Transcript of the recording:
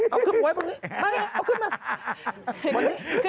อละกระปุ๋ไพรมึงไม่ได้